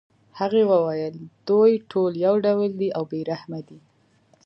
هغې ویل دوی ټول یو ډول دي او بې رحمه دي